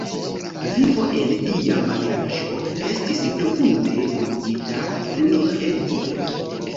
Vivo en iama vilaĝo estis profunde kunigita kun religio.